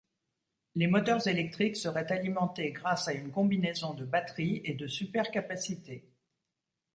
Les moteurs électriques seraient alimentés grâce à une combinaison de batteries et de supercapacités.